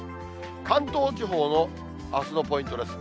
関東地方のあすのポイントです。